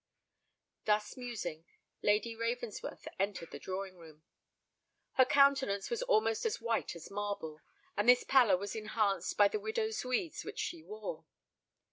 Thus musing, Lady Ravensworth entered the drawing room. Her countenance was almost as white as marble; and this pallor was enhanced by the widow's weeds which she wore.